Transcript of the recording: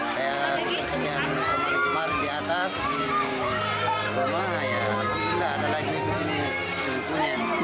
saya sempat kembali di atas di bawah ya tidak ada lagi ini